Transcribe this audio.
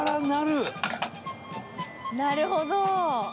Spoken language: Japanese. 「なるほど」